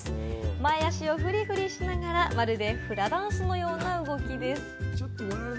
前足をフリフリしながら、まるでフラダンスのような動きです。